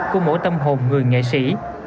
của mỗi tâm hồn người nghệ sĩ